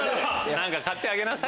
何か買ってあげなさい。